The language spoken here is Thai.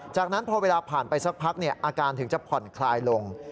จากนั้นพอเวลาผ่านไปสักพักอาการถึงจะผ่อนคลายลง